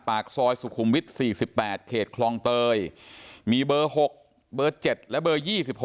ปากซอยสุขุมวิทย์๔๘เขตคลองเตยมีเบอร์๖เบอร์๗และเบอร์๒๖